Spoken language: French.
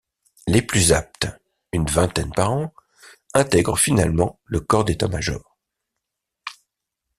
Les plus aptes, une vingtaine par an, intègrent finalement le corps d'état-major.